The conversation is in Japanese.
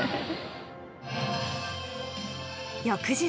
翌日。